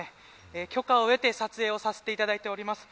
許可を得て撮影をさせていただいております。